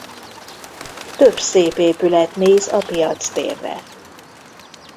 Több szép épület néz a piactérre.